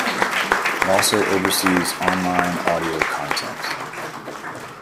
It also oversees online audio content.